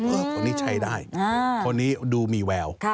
คนนี้ใช้ได้คนนี้ดูมีแวว